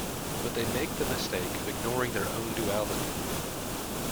But they make the mistake of ignoring their own duality.